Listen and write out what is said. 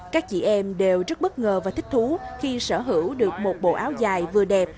các chị em đều rất bất ngờ và thích thú khi sở hữu được một bộ áo dài vừa đẹp